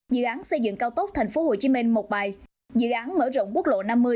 dự án xây dựng cao tốc thành phố hồ chí minh một bài dự án mở rộng quốc lộ năm mươi